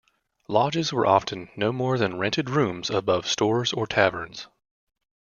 Lodges were often no more than rented rooms above stores or taverns.